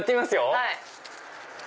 はい。